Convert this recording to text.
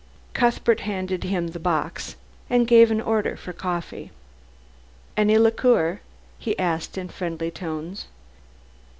Cuthbert handed him the box and gave an order for coffee. "Any liqueur?" he asked in friendly tones.